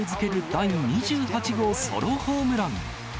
第２８号ソロホームラン。